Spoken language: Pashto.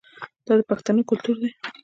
دا د پښتنو کلتور دی.